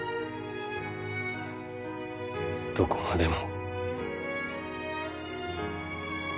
どこまでも。